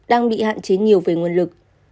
đang bị hạn chế nhiều về nguồn lực